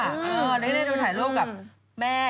ทำไมไม่อยู่ใกล้กัน